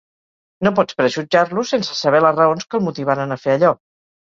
No pots prejutjar-lo sense saber les raons que el motivaren a fer allò.